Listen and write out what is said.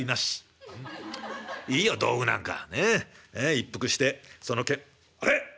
一服してそのあれ？